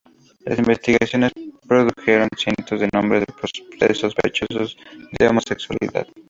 Las investigaciones produjeron cientos de nombres de sospechosos de homosexualidad.